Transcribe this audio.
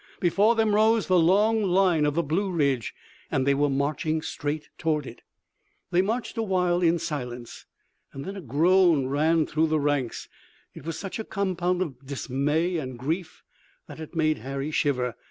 Before them rose the long line of the Blue Ridge and they were marching straight toward it. They marched a while in silence, and then a groan ran through the ranks. It was such a compound of dismay and grief that it made Harry shiver.